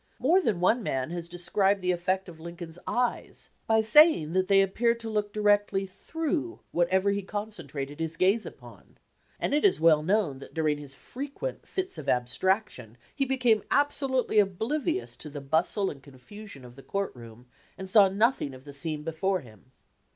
More than one man has described the effect of Lin coln's eyes by saying that they appeared to look directly through whatever he concentrated his 227 LINCOLN THE LAWYER gaze upon, and it is well known that during his frequent fits of abstraction he became absolutely oblivious to the bustle and confusion of the court room and saw nothing of the scene before him.